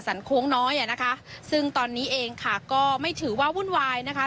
โค้งน้อยอ่ะนะคะซึ่งตอนนี้เองค่ะก็ไม่ถือว่าวุ่นวายนะคะ